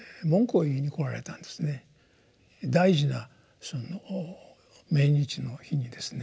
大事な命日の日にですね